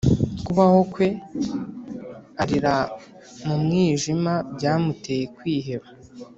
kubaho kwe arira mu mwijima byamuteye kwiheba